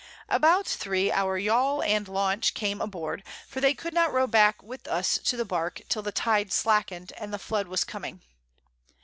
About 3 our Yall and Launch came aboard, for they could not row back with us to the Bark, till the Tide slacken'd, and the Flood was coming.